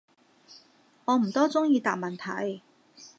我唔多中意答問題